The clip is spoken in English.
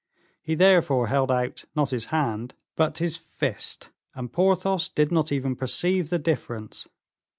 He therefore held out, not his hand, but his fist, and Porthos did not even perceive the difference.